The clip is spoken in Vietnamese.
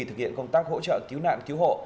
thực hiện công tác hỗ trợ cứu nạn cứu hộ